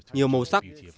nhiều màu sắc